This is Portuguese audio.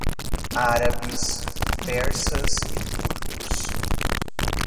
Árabes, persas e turcos